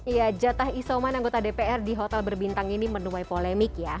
ya jatah isoman anggota dpr di hotel berbintang ini menuai polemik ya